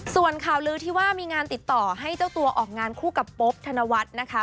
ส่วนข่าวลือที่ว่ามีงานติดต่อให้เจ้าตัวออกงานคู่กับโป๊บธนวัฒน์นะคะ